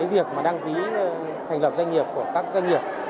việc mà đăng ký thành lập doanh nghiệp của các doanh nghiệp